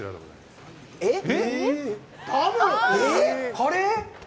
カレー？